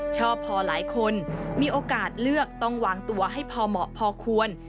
ชอบพอหลายคนมีโอกาสเลือกต้องวางตัวให้พอเหมาะพอควร